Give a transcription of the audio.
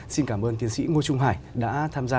xin cảm ơn tiến sĩ ngô trung hải đã tham gia